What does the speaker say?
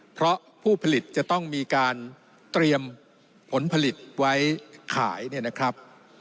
เพราะผู้ผลิตจะต้องมีการเตรียมผลผลิตไว้ขายเนี่ยนะครับ